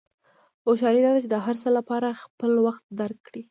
هوښیاري دا ده چې د هر څه لپاره خپل وخت درک کړې.